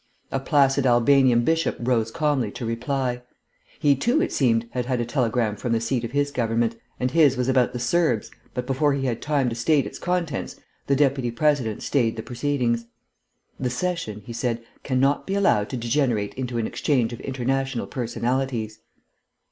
A placid Albanian bishop rose calmly to reply. He, too, it seemed, had had a telegram from the seat of his government, and his was about the Serbs, but before he had time to state its contents the Deputy President stayed the proceedings. "The session," he said, "cannot be allowed to degenerate into an exchange of international personalities."